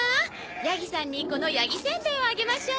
ヤギさんにこのヤギせんべいをあげましょう。